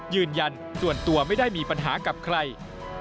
ยืนยันส่วนตัวไม่ได้มีปัญหากับใคร